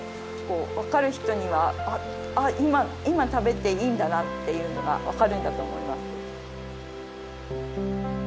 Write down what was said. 分かる人には「今食べていいんだな」っていうのが分かるんだと思いますよ。